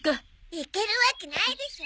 行けるわけないでしょ。